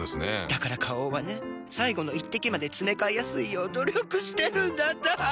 だから花王はね最後の一滴までつめかえやすいよう努力してるんだって。